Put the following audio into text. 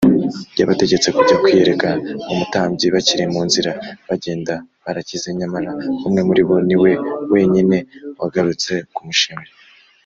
yabategetse kujya kwiyereka umutambyi bakiri mu nzira bagenda barakize, nyamara umwe muri bo ni we wenyine wagarutse kumushimira